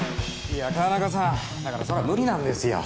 いや川中さんだからそれは無理なんですよ